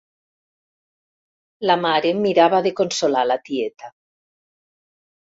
La mare mirava de consolar la tieta.